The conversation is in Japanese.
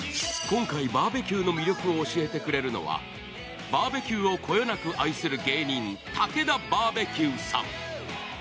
今回バーベキューの魅力を教えてくれるのは、バーベキューをこよなく愛する芸人、たけだバーベキューさん。